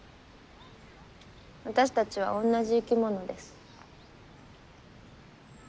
私たちは同じ生き物です。